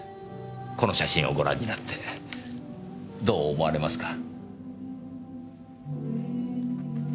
この写真をご覧になってどう思われますか？